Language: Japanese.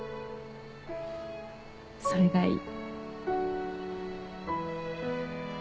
それがいい。